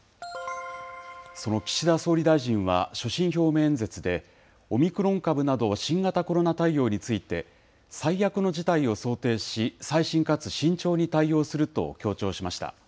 その岸田総理大臣は、所信表明演説で、オミクロン株など、新型コロナ対応について、最悪の事態を想定し、細心かつ慎重に対応すると強調しました。